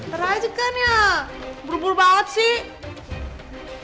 taranjakan ya buru buru banget sih